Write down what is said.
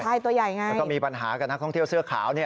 ใช่ตัวใหญ่ไงแล้วก็มีปัญหากับนักท่องเที่ยวเสื้อขาวเนี่ย